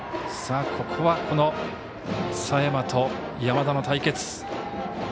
ここは、佐山と山田の対決。